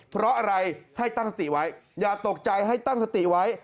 เพราะอะไรให้ตั้งสติไว้อย่าตกใจให้ตั้งสติไว้